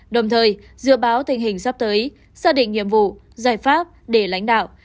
đồng thời dự báo tình hình sắp tới xác định nhiệm vụ giải pháp để lãnh đạo